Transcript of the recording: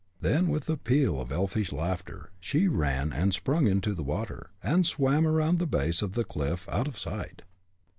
Then, with a peal of elfish laughter, she ran and sprung into the water, and swam around the base of the cliff out of sight.